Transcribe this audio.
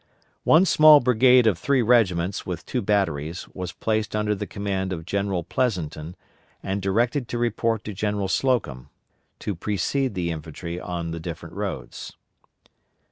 One small brigade of three regiments with two batteries was placed under the command of General Pleasonton and directed to report to General Slocum, to precede the infantry on the different roads.